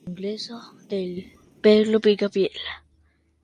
Congreso de St.